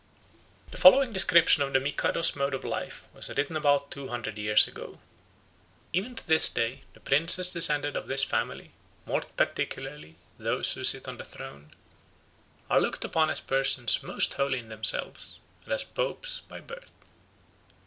The following description of the Mikado's mode of life was written about two hundred years ago: "Even to this day the princes descended of this family, more particularly those who sit on the throne, are looked upon as persons most holy in themselves, and as Popes by birth.